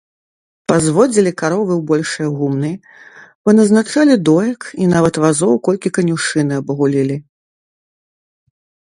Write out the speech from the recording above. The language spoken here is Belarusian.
Пазводзілі каровы ў большыя гумны, паназначалі доек і нават вазоў колькі канюшыны абагулілі.